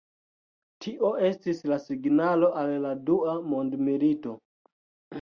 Tio estis la signalo al la dua mondmilito.